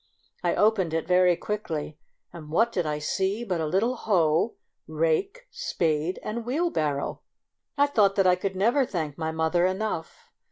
I opened it very quickly, and what did I see but a little hoe, rake, spade and wheelbarrow! I thought that I could never thank my mother enough.